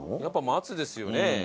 やっぱ松ですよね。